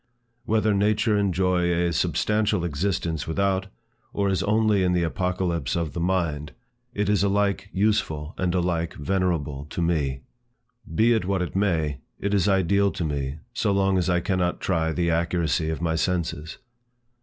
Whether nature enjoy a substantial existence without, or is only in the apocalypse of the mind, it is alike useful and alike venerable to me. Be it what it may, it is ideal to me, so long as I cannot try the accuracy of my senses.